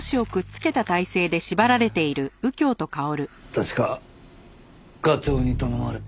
確か課長に頼まれて。